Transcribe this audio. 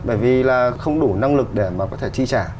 bởi vì là không đủ năng lực để mà có thể chi trả